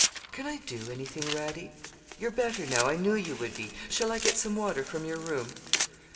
'Can I do anything, Radie? You're better now. I knew you would be. Shall I get some water from your room?'